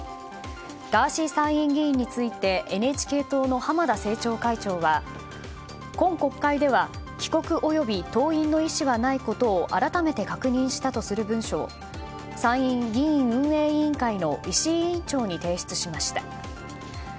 ガーシー参院議員についてＮＨＫ党の浜田政調会長は今国会では帰国および登院の意思はないことを改めて確認したとする文書を参院議院運営委員会の石井委員長に提出しました。